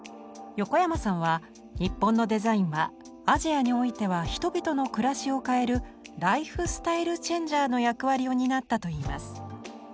横山さんは日本のデザインはアジアにおいては人々の暮らしを変える「ライフスタイル・チェンジャー」の役割を担ったといいます。